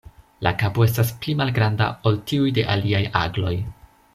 La kapo estas pli malgranda ol tiu de aliaj agloj.